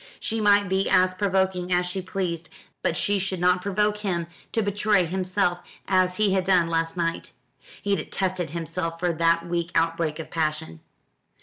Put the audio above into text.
She might be as provoking as she pleased, but she should not provoke him to betray himself as he had done last night. He detested himself for that weak outbreak of passion.